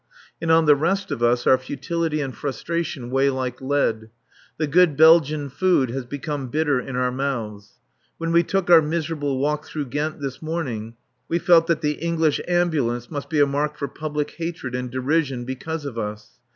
And on the rest of us our futility and frustration weigh like lead. The good Belgian food has become bitter in our mouths. When we took our miserable walk through Ghent this morning we felt that l'Ambulance Anglaise must be a mark for public hatred and derision because of us.